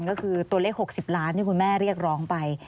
ก็คือตัวเลข๖๐ล้านที่คุณแม่เรียกร้องไป